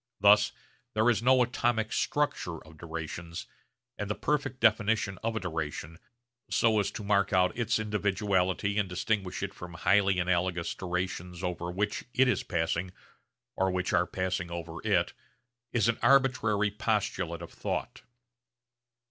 Thus there is no atomic structure of durations, and the perfect definition of a duration, so as to mark out its individuality and distinguish it from highly analogous durations over which it is passing, or which are passing over it, is an arbitrary postulate of thought.